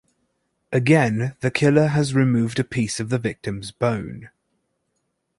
Again, the killer has removed a piece of the victim's bone.